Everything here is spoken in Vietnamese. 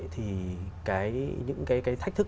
thì những cái thách thức